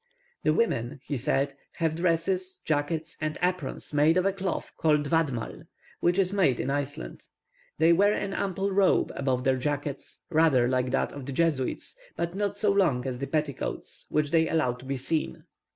"The women," he said, "have dresses, jackets, and aprons made of a cloth called 'wadmal' which is made in Iceland. They wear an ample robe above their jackets, rather like that of the Jesuits, but not so long as the petticoats, which they allow to be seen.